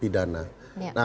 bahkan bermotif pidana